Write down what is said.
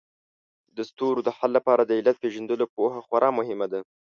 د ستونزو د حل لپاره د علت پېژندلو پوهه خورا مهمه ده